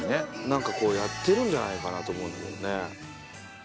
何かやってるんじゃないかなと思うんだけどね。